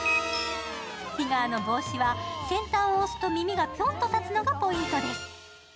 ティガーの帽子は先端を押すと耳がぴょんと立つのがポイントです。